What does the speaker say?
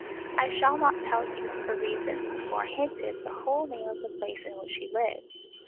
I shall not tell you, for reasons before hinted, the whole name of the place in which he lived.